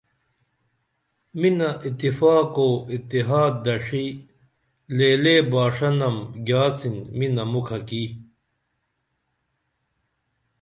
منہ اتفاق او اتحاد دڇھی لےلے باݜہ نم گیاڅِن مِنہ مُکھہ کی